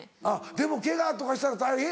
でもケガとかしたら大変やんか。